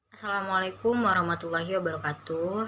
assalamualaikum warahmatullahi wabarakatuh